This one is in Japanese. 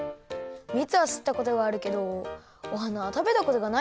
みつはすったことがあるけどお花は食べたことがないです。